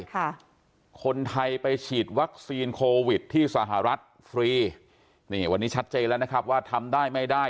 ค่ะคนไทยไปฉีดวัคซีนโควิดที่สหรัฐฟรีนี่วันนี้ชัดเจนแล้วนะครับว่าทำได้ไม่ได้